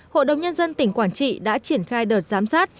hội đồng nhân dân tỉnh quảng trị đã triển khai đợt giám sát